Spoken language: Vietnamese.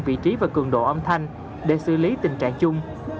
vị trí và cường độ âm thanh để xử lý tình trạng chung